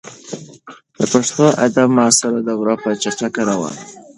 د پښتو ادب معاصره دوره په چټکۍ روانه ده.